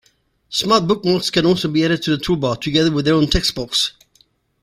Smart Bookmarks can also be added to the toolbar, together with their own textbox.